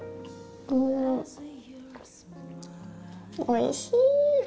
おいしい！